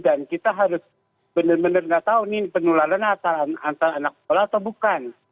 dan kita harus benar benar tidak tahu ini penularan antara anak sekolah atau bukan